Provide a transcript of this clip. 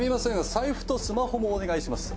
財布とスマホもお願いします